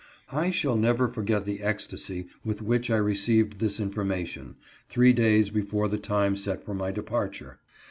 I shall never forget the ecstacy with which I received this information, three days before the time set for my departure.